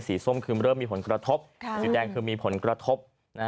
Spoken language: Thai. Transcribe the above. ส้มคือเริ่มมีผลกระทบสีแดงคือมีผลกระทบ